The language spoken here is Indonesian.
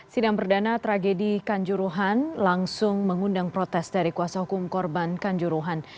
sidang perdana tragedi kanjuruhan langsung mengundang protes dari kuasa hukum korban kanjuruhan